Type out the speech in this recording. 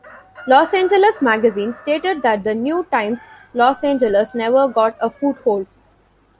"Los Angeles Magazine" stated that the "New Times Los Angeles" "never got a foothold".